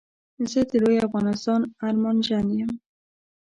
زه د لوي افغانستان ارمانژن يم